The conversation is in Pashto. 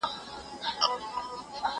زه مخکي د تکړښت لپاره تللي وو،